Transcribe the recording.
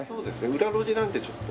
裏路地なんでちょっと。